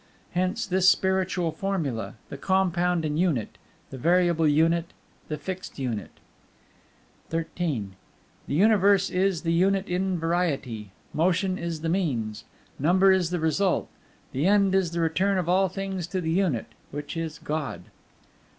Hence this Spiritual formula: the compound Unit, the variable Unit, the fixed Unit. XIII The Universe is the Unit in variety. Motion is the means; Number is the result. The end is the return of all things to the Unit, which is God.